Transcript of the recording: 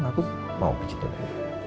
aku mau dipijetin lagi